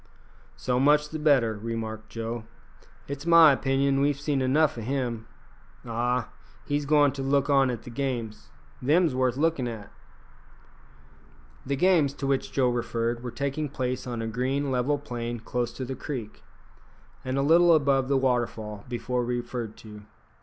"So much the better," remarked Joe; "it's my opinion we've seen enough o' him. Ah! he's goin' to look on at the games. Them's worth lookin' at." The games to which Joe referred were taking place on a green level plain close to the creek, and a little above the waterfall before referred to.